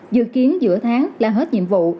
dự kiến giữa tháng là hết nhiệm vụ